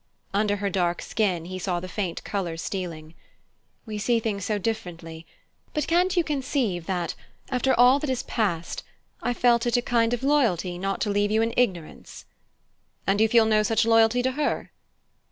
_" Under her dark skin he saw the faint colour stealing. "We see things so differently but can't you conceive that, after all that has passed, I felt it a kind of loyalty not to leave you in ignorance?" "And you feel no such loyalty to her?"